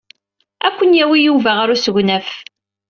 Ad ken-yawi Yuba ɣer usegnaf.